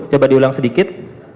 coba diulang sedikit